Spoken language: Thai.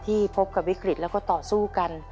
พบกับวิกฤตแล้วก็ต่อสู้กัน